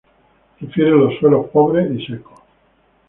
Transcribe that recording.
Prefiere los suelos pobres y secos.